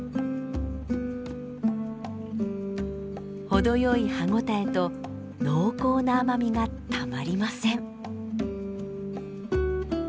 ほどよい歯応えと濃厚な甘みがたまりません。